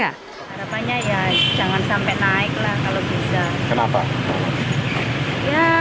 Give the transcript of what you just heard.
harapannya ya jangan sampai naik lah kalau bisa